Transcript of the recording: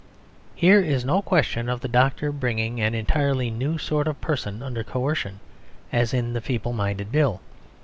Here is no question of the doctor bringing an entirely new sort of person under coercion, as in the Feeble Minded Bill.